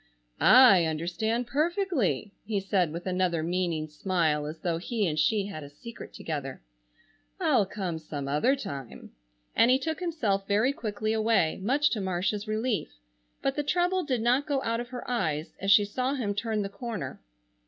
"I understand perfectly," he said, with another meaning smile as though he and she had a secret together; "I'll come some other time," and he took himself very quickly away, much to Marcia's relief. But the trouble did not go out of her eyes as she saw him turn the corner.